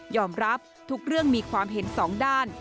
รับทุกเรื่องมีความเห็นสองด้าน